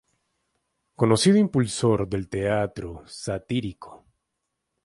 Conocido impulsor del teatro satírico.